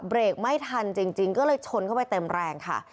เบรกไม่ทันจริงก็เลยชนเข้าไปเต็มแรงค่ะ